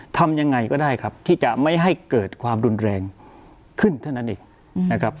ทำยังไงก็ได้ครับที่จะไม่ให้เกิดความรุนแรงขึ้นเท่านั้นเองนะครับ